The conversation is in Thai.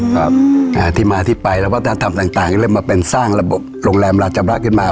ครับอ่าที่มาที่ไปแล้ววัฒนธรรมต่างต่างก็เลยมาเป็นสร้างระบบโรงแรมราชขึ้นมา